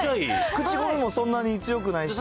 口ゴムもそんなに強くないし。